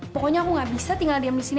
pokoknya aku gak bisa tinggal diam di sini